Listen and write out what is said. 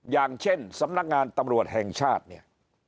อย่างเช่นสำนักงานตำรวจแห่งชาติเนี่ย